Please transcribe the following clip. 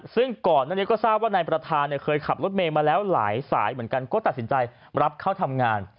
ซึ่งก่อนหน้านี้ก็ทราบว่านายประธานเนี่ยเคยขับรถเมย์มาแล้วหลายสายเหมือนกันก็ตัดสินใจรับเข้าทำงาน